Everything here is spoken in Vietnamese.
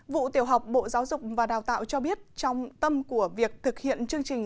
vụ tiểu học bộ giáo dục và đào tạo cho biết trong tâm của việc thực hiện chương trình